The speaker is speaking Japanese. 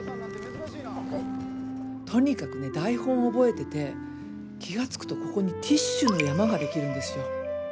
とにかくね台本覚えてて気が付くとここにティッシュの山ができるんですよ。